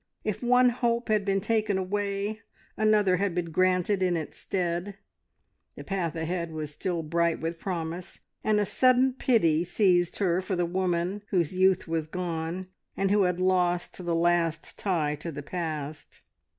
If one hope had been taken away, another had been granted in its stead. The path ahead was still bright with promise, and a sudden pity seized her for the woman whose youth was gone, and who had lost the last tie to the past.